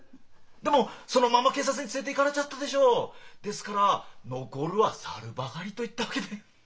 でもそのまんま警察に連れていかれちゃったでしょう？ですから残るは猿ばかりといっだわけで。